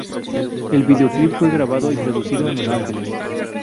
El videoclip fue grabado y producido en Los Ángeles.